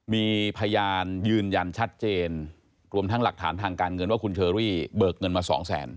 มีพยานยืนยันชัดเจนรวมทั้งหลักฐานทางการเงินว่าคุณเชอรี่เบิกเงินมาสองแสน